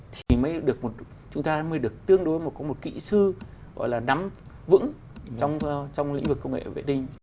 thì chúng ta mới được tương đối có một kỹ sư gọi là nắm vững trong lĩnh vực công nghệ việt đinh